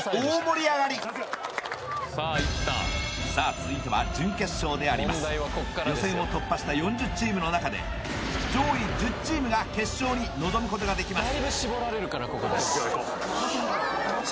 続いては準決勝であります予選を突破した４０チームの中で上位１０チームが決勝に臨むことができます